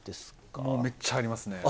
めっちゃありますね。